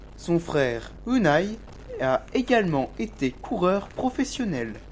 Son frère Unai a également été coureur professionnel.